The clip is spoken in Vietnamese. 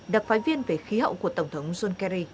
đặc phái viên về khí hậu của tổng thống john kerry